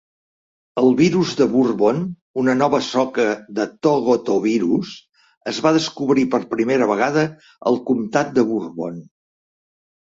El virus de Bourbon, una nova soca de thogotovirus, es va descobrir per primera vegada al comtat de Bourbon.